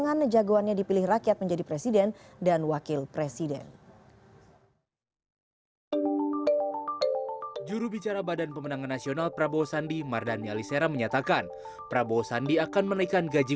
tentunya kita lagi menghitung tapi pada kenyataan di dki